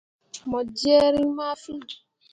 Mo jerre rĩĩ ma fîi.